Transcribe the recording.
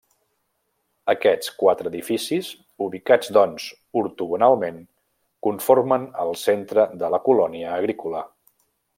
Aquests quatre edificis, ubicats doncs ortogonalment, conformen el centre de la colònia agrícola.